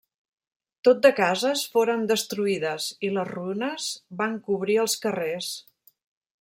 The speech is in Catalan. Tot de cases foren destruïdes, i les runes van cobrir els carrers.